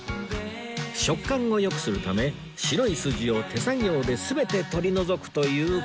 食感を良くするため白い筋を手作業で全て取り除くというこだわり